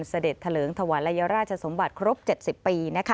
เสด็จทะเลิ้งทวันและเยาวราชสมบัติครบ๗๐ปี